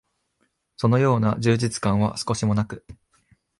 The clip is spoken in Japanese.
そのような充実感は少しも無く、